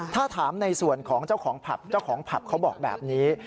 ถ้าถามในส่วนของเจ้าของผับเจ้าของผับเขาบอกแบบนี้